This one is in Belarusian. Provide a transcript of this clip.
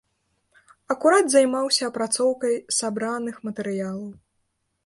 Акурат займаўся апрацоўкай сабраных матэрыялаў.